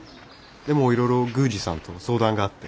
でもいろいろ宮司さんと相談があって。